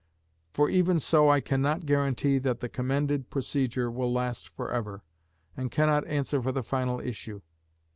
For even so I cannot guarantee that the commended procedure will last for ever, and cannot answer for the final issue.